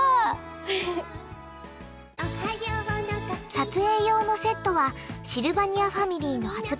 撮影用のセットはシルバニアファミリーの発売